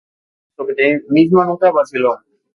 Pero su optimismo nunca vaciló.